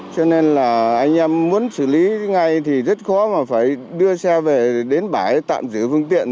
cho nên là anh em muốn xử lý ngay thì rất khó mà phải đưa xe về đến bãi tạm giữ phương tiện